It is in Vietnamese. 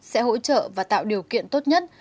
sẽ hỗ trợ và tạo điều kiện tốt nhất